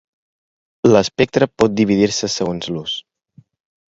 L'espectre pot dividir-se segons l'ús.